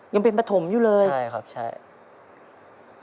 คุณส่งเป็นปฐมอยู่เลยอเรนนี่ใช่ครับ